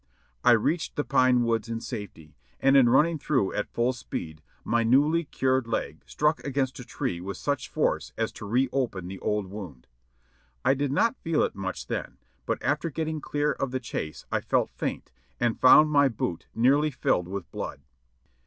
I reached the pine woods in safety, and in running through at full speed my newly cured leg struck against a tree with such force as to reopen the old wound. I did not feel it much then, but after getting clear of the chase I felt faint, and found my boot nearly filled with blood.